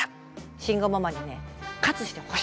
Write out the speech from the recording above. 慎吾ママにね喝してほしい！